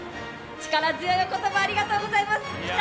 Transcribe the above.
力強いお言葉、ありがとうございます。